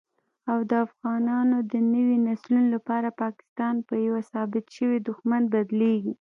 او دافغانانو دنويو نسلونو لپاره پاکستان په يوه ثابت شوي دښمن بدليږي